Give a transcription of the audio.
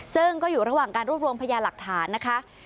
ซึ่งก็อยู่ระหว่างการรวบรวมพยาหลักฐานนะคะ